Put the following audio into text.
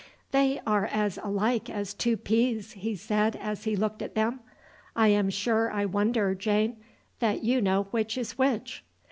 "They are as alike as two peas," he said as he looked at them. "I am sure I wonder, Jane, that you know which is which!"